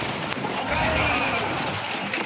おかえり！